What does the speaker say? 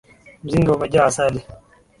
Mzinga umejaa asali.